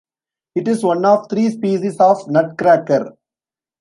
It is one of three species of nutcracker.